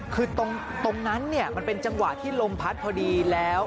คือตรงนั้นเนี่ยมันเป็นจังหวะที่ลมพัดพอดีแล้ว